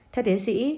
theo tiến sĩ